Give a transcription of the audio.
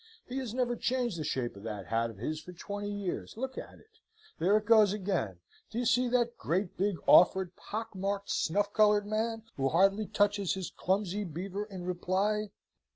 "He has never changed the shape of that hat of his for twenty years. Look at it. There it goes again! Do you see that great, big, awkward, pock marked, snuff coloured man, who hardly touches his clumsy beaver in reply.